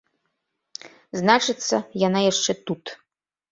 Значыцца, яна яшчэ тут.